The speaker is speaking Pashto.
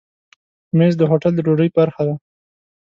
مېز د هوټل د ډوډۍ برخه ده.